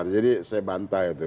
jadi saya bantai itu